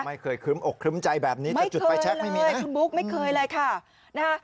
ไม่เคยครึ้มอกครึ้มใจแบบนี้ไม่เคยเลยทุนบุ๊คไม่เคยเลยค่ะนะฮะ